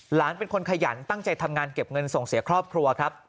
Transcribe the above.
หลานเป็นคนขยันตั้งใจทำงานเก็บเงินส่งเสียครอบครัวครับ